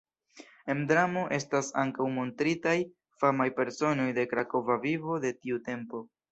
En dramo estas ankaŭ montritaj famaj personoj de krakova vivo de tiu tempo.